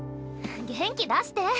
元気出して。